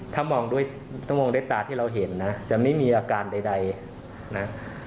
ถ้ามองด้วยถ้ามองด้วยตาที่เราเห็นนะจะไม่มีอาการใดนะ